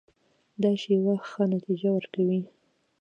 دا شیوه ښه نتیجه ورکوي.